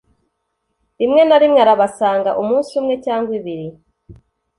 Rimwe na rimwe arabasanga umunsi umwe cyangwa ibiri